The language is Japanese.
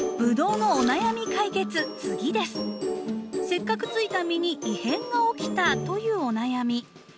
「せっかくついた実に異変が起きた」というお悩み。